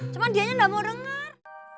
cuman dianya gak mau denger